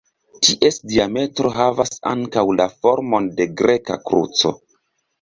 Ties diametro havas ankaŭ la formon de greka kruco.